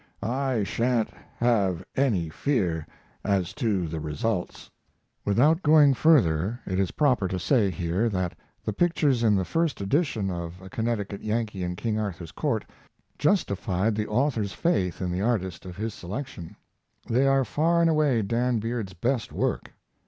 I sha'n't have any fear as to results. Without going further it is proper to say here that the pictures in the first edition of A Connecticut Yankee in King Arthur's Court justified the author's faith in the artist of his selection. They are far and away Dan Beard's best work.